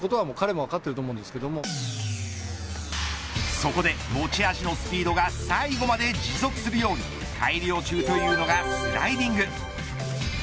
そこで持ち味のスピードが最後まで持続するように改良中というのがスライディング。